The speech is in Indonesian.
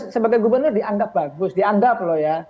sebagai gubernur dianggap bagus dianggap loh ya